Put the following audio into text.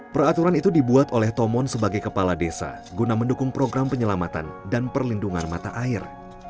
peraturan itu dibuat oleh tomon sebagai kepala desa guna mendukung program penyelamatan dan perlindungan mata air